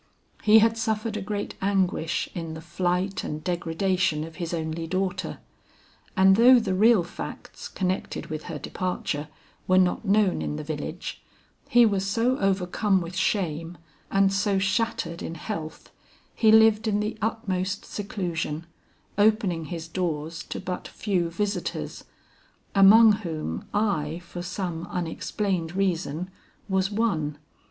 He had suffered a great anguish in the flight and degradation of his only daughter, and though the real facts connected with her departure were not known in the village, he was so overcome with shame, and so shattered in health, he lived in the utmost seclusion, opening his doors to but few visitors, among whom I, for some unexplained reason, was one.